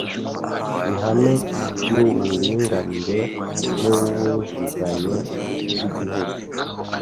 ihame ry’uuringanire n’uwuzuzanye ry’Igihugu